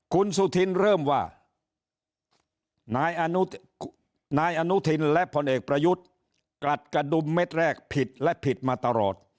คุณสุธินเริ่มว่านายอนุทินและพลเอกประยุทธ์กลัดกระดุมเม็ดแรกผิดและผิดมาตลอด